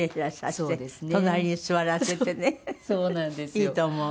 いいと思う。